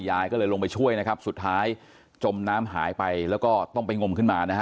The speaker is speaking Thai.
ยายก็เลยลงไปช่วยนะครับสุดท้ายจมน้ำหายไปแล้วก็ต้องไปงมขึ้นมานะฮะ